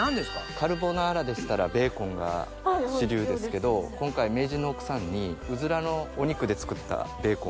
カルボナーラでしたらベーコンが主流ですけど今回名人の奥さんにうずらのお肉で作ったベーコンを。